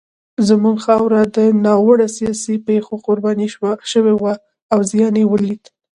زموږ خاوره د ناوړه سیاسي پېښو قرباني شوې وه او زیان یې ولید.